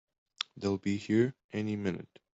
They'll be here any minute!